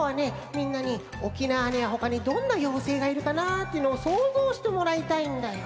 みんなに沖縄にはほかにどんな妖精がいるかなっていうのをそうぞうしてもらいたいんだよ。